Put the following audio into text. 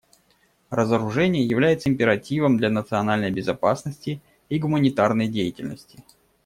Разоружение является императивом для национальной безопасности и гуманитарной деятельности.